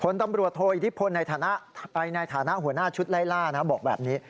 ผลตำรวจโทยที่ผลไปในฐานะหัวหน้าชุดไล่ล่าบอกแบบนี้